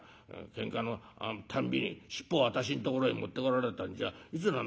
けんかのたんびに尻尾を私んところへ持ってこられたんじゃいくら